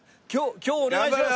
今日お願いします。